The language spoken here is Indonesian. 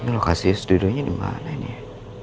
ini lokasi duduknya dimana ini ya